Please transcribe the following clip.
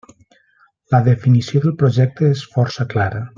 La definició del projecte és força clara.